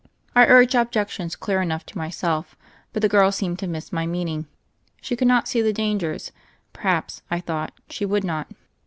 I urged objec tions clear enough to myself, but the girl seemed to miss my meaning. She could not see the dan gers : perhaps, I thought, she would not.